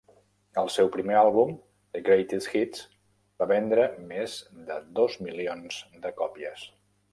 El seu primer àlbum, "The Greatest Hits", va vendre més de dos milions de còpies.